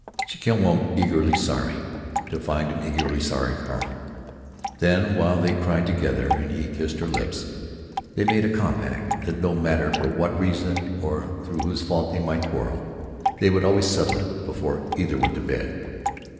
She came home eagerly sorry—to find an eagerly sorry Carl. Then, while they cried together, and he kissed her lips, they made a compact that no matter for what reason or through whose fault they might quarrel, they would always settle it before either went to bed....